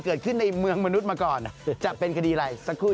ต้องเต็มที่หน่อยอาจารย์นอกซักหน่อยอาจารย์